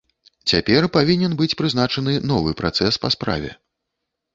Цяпер павінен быць прызначаны новы працэс па справе.